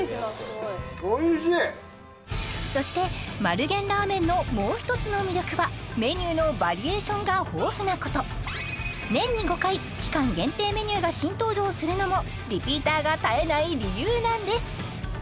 おいしいそして丸源ラーメンのもう一つの魅力はメニューのバリエーションが豊富なこと年に５回期間限定メニューが新登場するのもリピーターが絶えない理由なんです